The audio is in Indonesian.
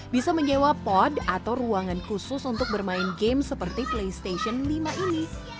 bisa menjewa pod atau ruangan khusus untuk bermain game seperti playstation empat